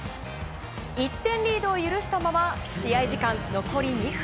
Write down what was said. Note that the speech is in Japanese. １点リードを許したまま試合時間残り２分。